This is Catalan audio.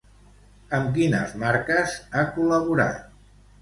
Amb quines marques ha col·laborat?